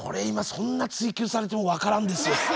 今そんな追及されても分からんですよ。